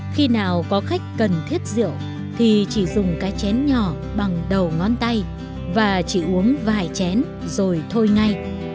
khi nào có khách cần thiết rượu thì chỉ dùng cái chén nhỏ bằng đầu ngón tay và chỉ uống vài chén rồi thôi ngay